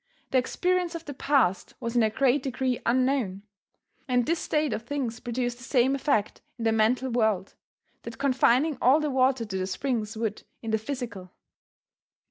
The experience of the past was in a great degree unknown. And this state of things produced the same effect in the mental world, that confining all the water to the springs would in the physical.